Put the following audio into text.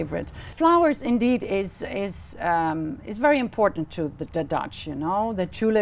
và trung tâm hoa lớn nhất trong thế giới